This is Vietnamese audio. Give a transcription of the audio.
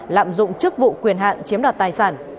lạm dụng chức vụ quyền hạn chiếm đoạt tài sản